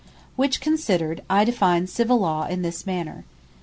Which considered, I define Civill Law in this Manner.